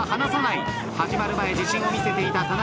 始まる前自信を見せていた田中裕二５８歳。